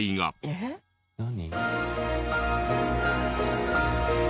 えっ？何？